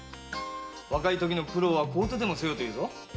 若いときの苦労は買うてでもせよと言うぞ。